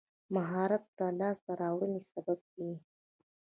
مهارت د لاسته راوړنو سبب کېږي.